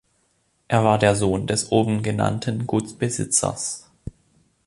Er war der Sohn des oben genannten Gutsbesitzers.